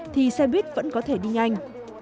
thì xe buýt vẫn có thể đi nhanh